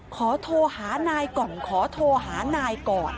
ขอโทรหานายก่อนขอโทรหานายก่อน